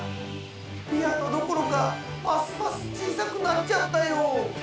ピアノどころかますます小さくなっちゃったよ。